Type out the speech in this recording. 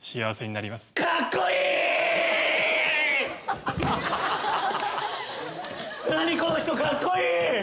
なにこの人かっこいい！